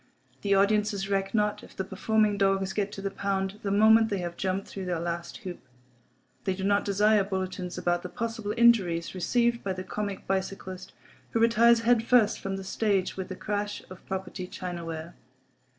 The audiences reck not if the performing dogs get to the pound the moment they have jumped through their last hoop. They do not desire bulletins about the possible injuries received by the comic bicyclist who retires head first from the stage in a crash of (property) china ware.